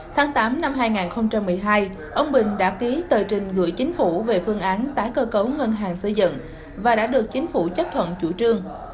tháng tám năm hai nghìn một mươi hai ông bình đã ký tờ trình gửi chính phủ về phương án tái cơ cấu ngân hàng xây dựng và đã được chính phủ chấp thuận chủ trương